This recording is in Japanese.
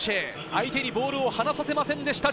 相手にボールを離させませんでした。